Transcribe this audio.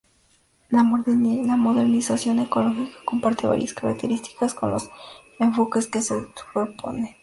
La modernización ecológica comparte varias características con los enfoques que se superponen.